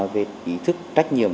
về ý thức trách nhiệm